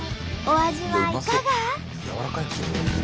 お味はいかが？